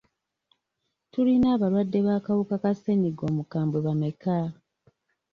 Tuyina abalwadde b'akawuka ka ssenyiga omukambwe bameka?